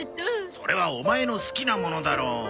それはオマエの好きなものだろ。